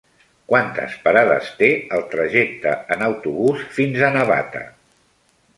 Quantes parades té el trajecte en autobús fins a Navata?